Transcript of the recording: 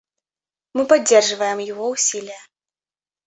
Мы поддерживаем его усилия.